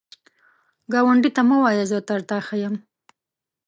ګاونډي ته مه وایه “زه تر تا ښه یم”